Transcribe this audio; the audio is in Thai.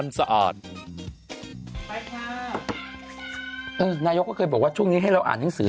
นายกก็เคยบอกว่าช่วงนี้ให้เราอ่านหนังสือ